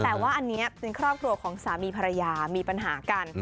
แต่ว่าอันนี้เป็นครอบครัวของสามีภรรยามีปัญหากัน